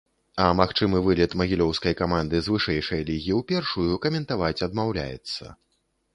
А магчымы вылет магілёўскай каманды з вышэйшай лігі ў першую, каментаваць адмаўляецца.